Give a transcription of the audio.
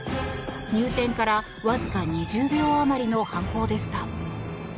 入店からわずか２０秒あまりの犯行でした。